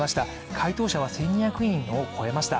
回答者は１２００人を超えました。